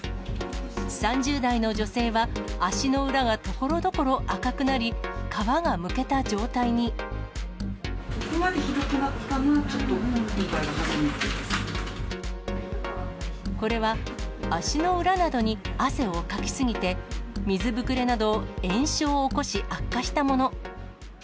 ３０代の女性は、足の裏がところどころ赤くなり、ここまでひどくなったのは、これは、足の裏などに汗をかき過ぎて、水ぶくれなど炎症を起こし、悪化したもの。